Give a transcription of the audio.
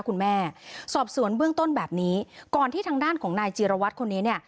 คุณแม่สอบสวนเบื้องต้นแบบนี้ก่อนที่ทางด้านของนายจีรวัตรคนนี้เนี่ย